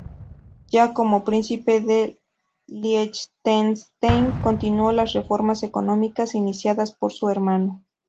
Ya como príncipe de Liechtenstein, continuó las reformas económicas iniciadas por su hermano.